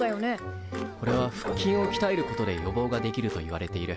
これは腹筋をきたえることで予防ができるといわれている。